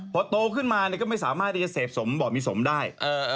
พอโตขึ้นมาก็ไม่สามารถที่จะเสพสมบ่อมีสมได้